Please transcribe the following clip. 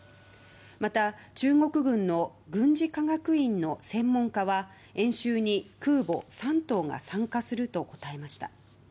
また、中国軍の軍事科学院の専門家は演習に空母「山東」が参加すると答えました。